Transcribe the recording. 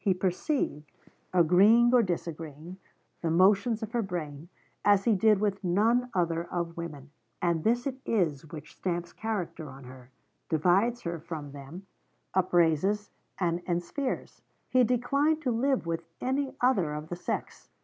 He perceived, agreeing or disagreeing, the motions of her brain, as he did with none other of women; and this it is which stamps character on her, divides her from them, upraises and enspheres. He declined to live with any other of the sex.